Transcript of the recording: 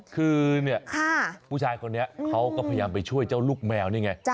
คือเนี่ยผู้ชายคนนี้เขาก็พยายามไปช่วยเจ้าลูกแมวนี่ไง